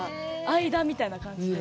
間みたいな感じで。